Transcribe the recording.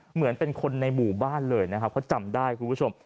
เหมือนเป็นคนในหมู่บ้านเลยนะครับเขาจำได้คุณผู้ชม